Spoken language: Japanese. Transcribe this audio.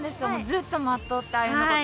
ずっと待っとったあゆのこと。